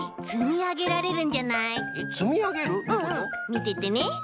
みててね。